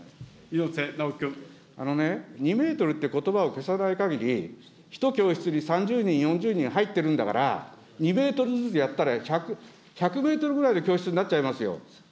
あのね、２メートルってことばを消さないかぎり、１教室に３０人、４０人入っているんだから、２メートルずつやったら１００メートルぐらいの教室になっちゃいますよ。